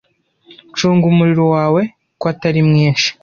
Cunga umuriro wawe ko atari mwinshi